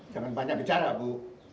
jangan banyak bicara bu